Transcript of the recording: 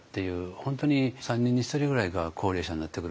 本当に３人に１人ぐらいが高齢者になってくる。